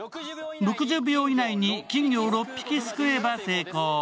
６０秒以内に金魚を６匹すくえば成功。